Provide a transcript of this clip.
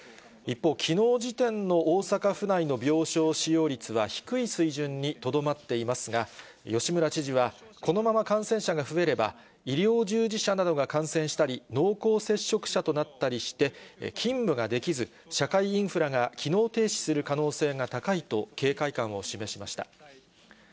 一方、きのう時点の大阪府内の病床使用率は、低い水準にとどまっていますが、吉村知事は、このまま感染者が増えれば、医療従事者などが感染したり、濃厚接触者となったりして、勤務ができず、社会インフラが機能停止する可能性が高いと警戒感を示しました。